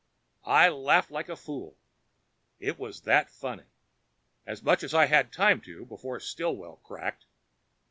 I laughed like a fool it was that funny. As much as I had time to, before Stillwell cracked.